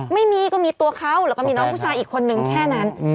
ไม่มีก็มีตัวเขาแล้วก็มีน้องผู้ชายอีกคนนึงแค่นั้น